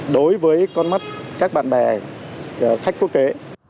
đối với con mắt các bạn bè khách quốc tế